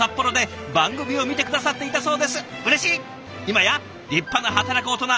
今や立派な働くオトナ。